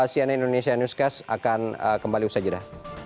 cnn indonesia newscast akan kembali usai jeda